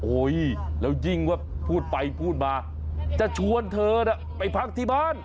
แล้วยิ่งว่าพูดไปพูดมาจะชวนเธอน่ะไปพักที่บ้าน